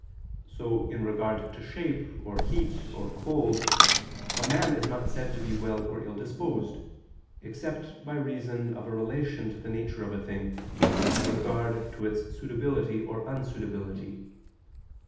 So in regard to shape, or heat, or cold, a man is not said to be well or ill disposed, except by reason of a relation to the nature of a thing, with regard to its suitability or unsuitability.